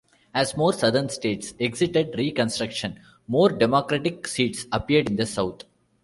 As more Southern states exited Reconstruction, more Democratic seats appeared in the South.